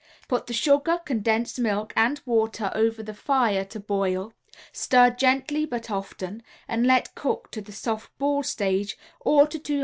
Put the sugar, condensed milk and water over the fire to boil, stir gently but often, and let cook to the soft ball stage, or to 238°F.